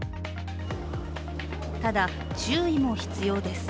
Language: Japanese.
ただ、注意も必要です。